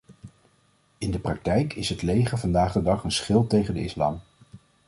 In de praktijk is het leger vandaag de dag een schild tegen de islam.